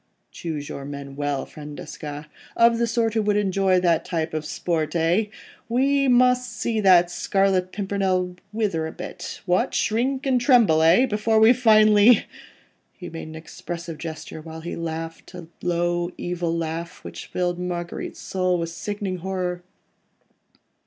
Choose your men well, friend Desgas ... of the sort who would enjoy that type of sport—eh? We must see that Scarlet Pimpernel wither a bit—what?—shrink and tremble, eh? ... before we finally .. ."—he made an expressive gesture, whilst he laughed a low, evil laugh, which filled Marguerite's soul with sickening horror.